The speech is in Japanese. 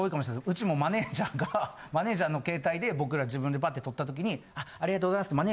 うちもマネジャーがマネジャーの携帯で僕ら自分でバッて撮ったときにありがとうございますって